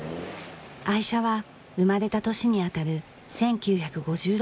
愛車は生まれた年にあたる１９５６年製造です。